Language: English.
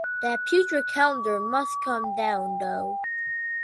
That putrid calendar must come down, though.